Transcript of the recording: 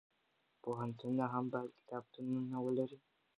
پوهنتونونه هم باید کتابتونونه ولري.